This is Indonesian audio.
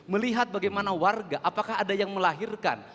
melihat bagaimana warga apakah ada yang melahirkan